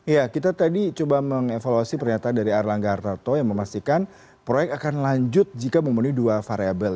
ya kita tadi coba mengevaluasi pernyataan dari erlangga hartarto yang memastikan proyek akan lanjut jika memenuhi dua variable